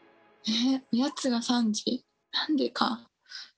おやつが３時なんでか？